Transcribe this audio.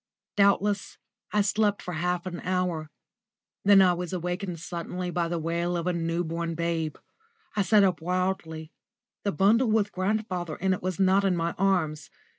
Doubtless I slept for half an hour. Then I was awakened suddenly by the wail of a new born babe. I sat up wildly. The bundle with grandfather in it was not in my arms.